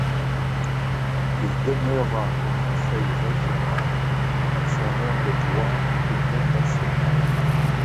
Il demeura au conseil régional mais son heure de gloire était passée.